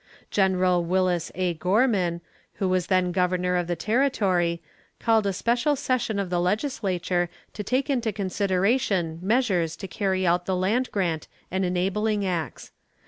Gen. Willis A. Gorman, who was then governor of the territory, called a special session of the legislature to take into consideration measures to carry out the land grant and enabling acts.